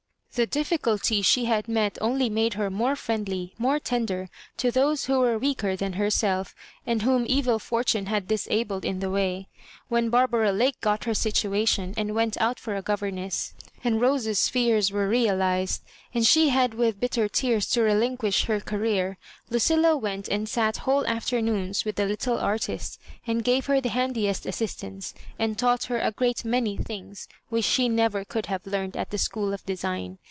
The diffi culties she had met only made her more friendly, more tender, to those who were weaker than her self, and whom evil fortune had disabled in the way. When Barbara Lake got her situation, and went out for a governess, and Rose's fears were realised, and she had with bitter tears to relinquish her Career, Lucilla went and sat whole afternoons with the little artist, and gave her the handiest assistance, and taught her a groat many things which she never could have learned at the School of Design.